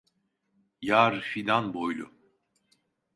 Yar fidan boylu.